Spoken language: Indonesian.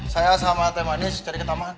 saya sama temanis cari ke taman